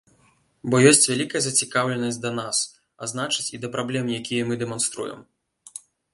Бо ёсць вялікая зацікаўленасць да нас, а значыць, і да праблем, якія мы дэманструем.